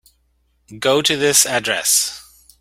Go to this address.